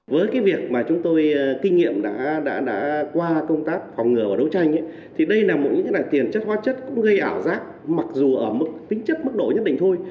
với cái việc mà chúng tôi kinh nghiệm đã qua công tác phòng ngừa và đấu tranh thì đây là một những tiền chất hoa chất gây ảo giác mặc dù ở tính chất mức độ nhất định thôi